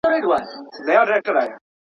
پرېږده پنځه زره کلن خوبونه وزنګوو `